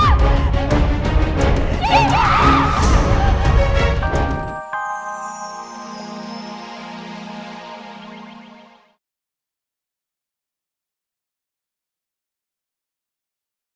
kapan kapan lucu banget